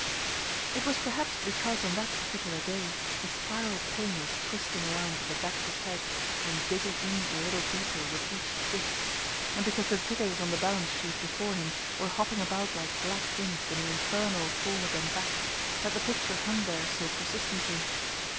It was perhaps because, on that particular day, a spiral pain was twisting around in the back of his head, and digging in a little deeper with each twist, and because the figures on the balance sheet before him were hopping about like black imps in an infernal forward and back, that the picture hung there so persistently.